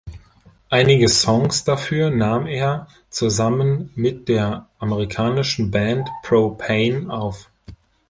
Einige Songs dafür nahm er zusammen mit der amerikanischen Band Pro-Pain auf.